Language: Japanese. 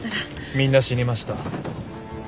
みんな死にました。